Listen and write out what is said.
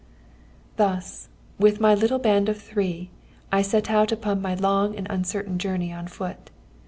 "Thus, with my little band of three, I set out upon my long and uncertain journey on foot.